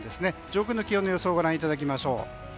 上空の気温の様子をご覧いただきましょう。